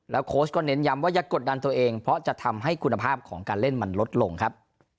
โค้ชก็เน้นย้ำว่าอย่ากดดันตัวเองเพราะจะทำให้คุณภาพของการเล่นมันลดลงครับ